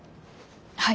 はい。